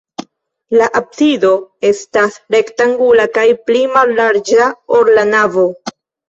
La absido estas rektangula kaj pli mallarĝa, ol la navo.